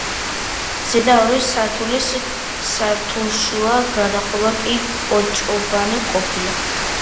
ზედა ორი სართული სართულშუა გადახურვა კი კოჭოვანი ყოფილა.